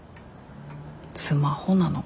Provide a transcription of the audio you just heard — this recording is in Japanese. スマホなのか？